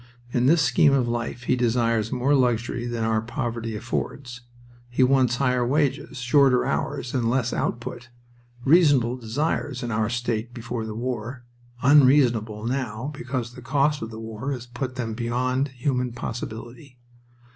In his scheme of life he desires more luxury than our poverty affords. He wants higher wages, shorter hours, and less output reasonable desires in our state before the war, unreasonable now because the cost of the war has put them beyond human possibility.